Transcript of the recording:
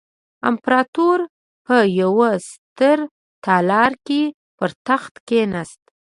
امپراتور په یوه ستر تالار کې پر تخت کېناسته.